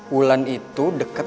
wulan itu deket